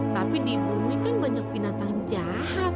tapi di bumi kan banyak binatang jahat